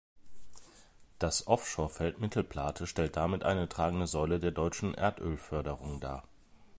Das Offshore-Feld Mittelplate stellt damit eine tragende Säule der deutschen Erdölförderung dar.